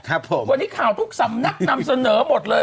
ครับผมวันนี้ข่าวทุกสำนักนำเสนอหมดเลย